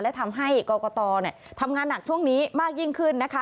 และทำให้กรกตทำงานหนักช่วงนี้มากยิ่งขึ้นนะคะ